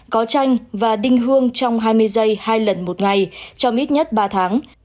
có tranh và đinh hương trong hai mươi giây hai lần một ngày trong ít nhất ba tháng